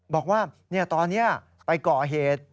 บอกว่าตอนนี้ไปก่อเหตุ